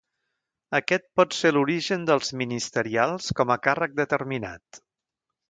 Aquest pot ser l'origen dels ministerials com a càrrec determinat.